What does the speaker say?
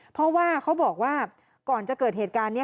เพราะว่าเขาบอกว่าก่อนจะเกิดเหตุการณ์นี้